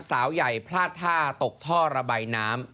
สาวใหญ่พลาดท่าตกท่อระบายน้ำ